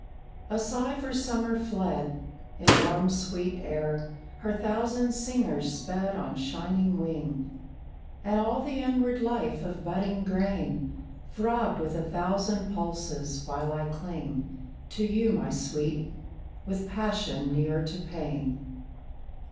A sigh for summer fled. In warm, sweet air Her thousand singers sped on shining wing; And all the inward life of budding grain Throbbed with a thousand pulses, while I cling To you, my Sweet, with passion near to pain.